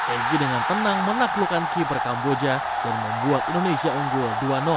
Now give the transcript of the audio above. egy dengan tenang menaklukkan keeper kamboja dan membuat indonesia unggul dua